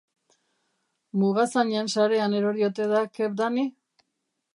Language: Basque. Mugazainen sarean erori ote da Kebdani?